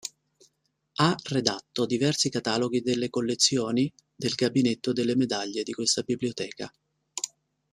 Ha redatto diversi cataloghi delle collezioni del gabinetto delle medaglie di questa biblioteca.